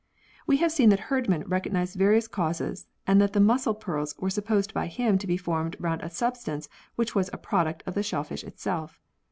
We have seen that Herdman recognised various causes, and that the muscle pearls were supposed by him to be formed round a substance which was a product of the shellfish itself.